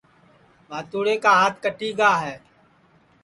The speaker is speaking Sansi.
ٻھاتوڑے کا ہات کٹی گا ہے